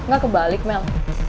ga kebalik mel